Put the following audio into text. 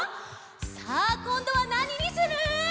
さあこんどはなににする？